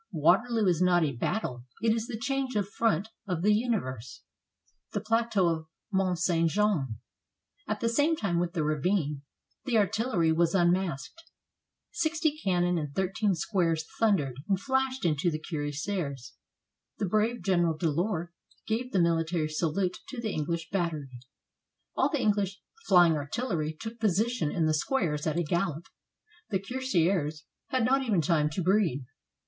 Waterloo is not a battle; it is the change of front of the universe. THE PLATEAU OF MONT ST. JEAN At the same time with the ravine, the artillery was unmasked. Sixty cannon and thirteen squares thundered and flashed into the cuirassiers. The brave General Delord gave the mihtary salute to the Enghsh battery. All the English flying artillery took position in the squares at a gallop. The cuirassiers had not even time to breathe.